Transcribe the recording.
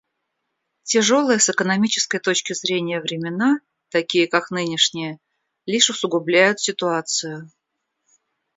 Тяжелые с экономической точки зрения времена, такие как нынешние, лишь усугубляют ситуацию.